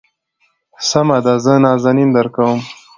سمه ده زه نازنين درکوم.